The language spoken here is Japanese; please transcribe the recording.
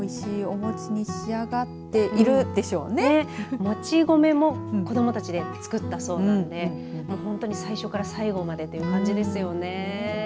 もち米も子どもたちで作ったそうなんで本当に最初から最後までという感じですよね。